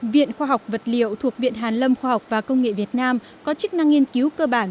viện khoa học vật liệu thuộc viện hàn lâm khoa học và công nghệ việt nam có chức năng nghiên cứu cơ bản